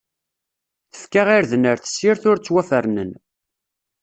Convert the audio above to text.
Tefka irden ar tessirt, ur ttwafernen.